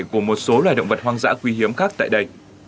của một số loài động vật hoang dã quý hiếm khác tại đây